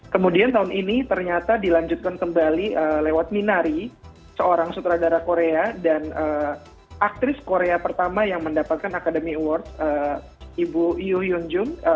kemudian tahun ini ternyata dilanjutkan kembali lewat minari seorang sutradara korea dan aktris korea pertama yang mendapatkan academy award ibu yun jung